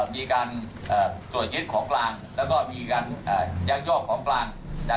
มีการตรวจยืดของกลางและยักยอกของกลาง